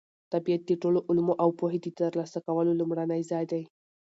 طبیعت د ټولو علومو او پوهې د ترلاسه کولو لومړنی ځای دی.